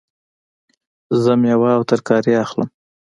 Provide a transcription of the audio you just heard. زه میوه او ترکاری اخلم